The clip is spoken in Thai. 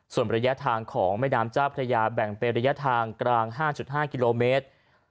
ส่วนระยะทางของแม่น้ำเจ้าพระยาแบ่งเป็นระยะทางกลาง๕๕กิโลเมตร